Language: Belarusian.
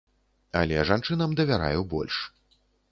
Але жанчынам давяраю больш.